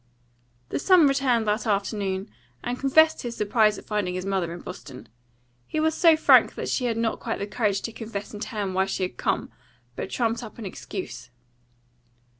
The son returned that afternoon, and confessed his surprise at finding his mother in Boston. He was so frank that she had not quite the courage to confess in turn why she had come, but trumped up an excuse.